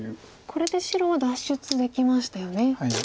これで白は脱出できましたよね。